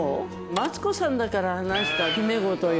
マツコさんだから話した秘め事よ。